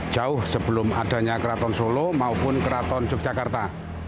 jauh sebelum adanya keraton solo maupun keraton yogyakarta